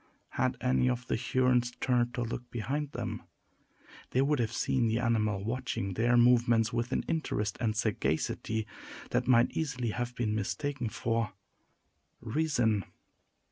Had any of the Hurons turned to look behind them, they would have seen the animal watching their movements with an interest and sagacity that might easily have been mistaken for reason.